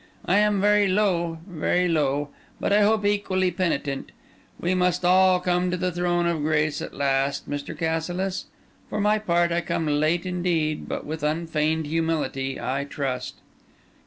I am very low, very low; but I hope equally penitent. We must all come to the throne of grace at last, Mr. Cassilis. For my part, I come late indeed; but with unfeigned humility, I trust."